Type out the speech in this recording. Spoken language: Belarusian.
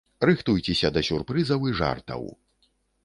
Рыхтуйцеся да сюрпрызаў і жартаў!